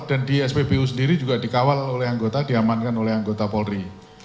dan di spbu sendiri juga dikawal oleh anggota diamankan oleh anggota polri